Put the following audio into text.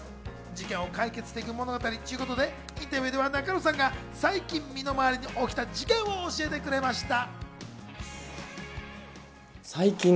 事件を解決していく物語ということで、インタビューでは仲野さんが最近、身の回りに起きた事件を教えてくれました。